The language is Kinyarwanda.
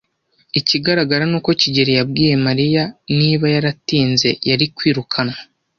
Ikigaragara ni uko kigeli yabwiye Mariya niba yaratinze, yari kwirukanwa.